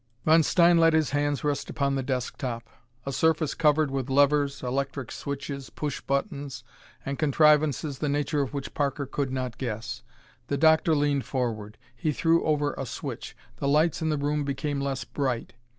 Von Stein let his hands rest upon the desk top a surface covered with levers, electric switches, push buttons, and contrivances the nature of which Parker could not guess. The doctor leaned forward. He threw over a switch. The lights in the room became less bright.